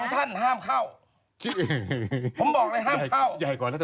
ท่านห้ามเข้าผมบอกเลยห้ามเข้า